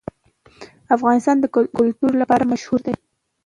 افغانستان د کلتور لپاره مشهور دی.